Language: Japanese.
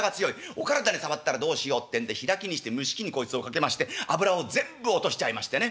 お体に障ったらどうしようってんで開きにして蒸し器にこいつをかけまして脂を全部落としちゃいましてね